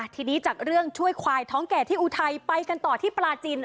ทีนี้จากเรื่องช่วยควายท้องแก่ที่อุทัยไปกันต่อที่ปลาจิน